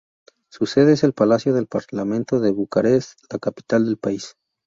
Su sede es el Palacio del Parlamento de Bucarest, la capital del país.